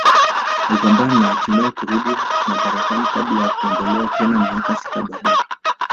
Alipambania na hatimae kurudi madarakani kabla ya kuondolewa tena miaka sita baadae